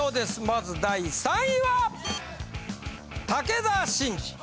まず第３位は！